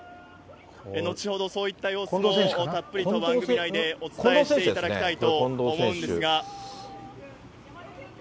後ほど、そういった様子をたっぷりと番組内でお伝えしていただきたいと思うんですが。